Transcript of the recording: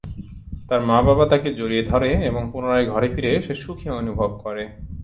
তার মা-বাবা তাকে জড়িয়ে ধরে এবং পুনরায় ঘরে ফিরে সে সুখী অনুভব করে।